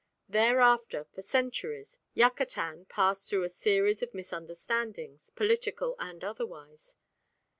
Thereafter for centuries Yucatan passed through a series of misunderstandings, political and otherwise.